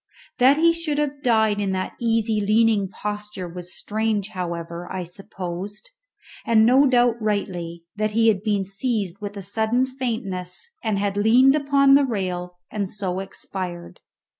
That he should have died in that easy leaning posture was strange; however, I supposed, and no doubt rightly, that he had been seized with a sudden faintness, and had leaned upon the rail and so expired.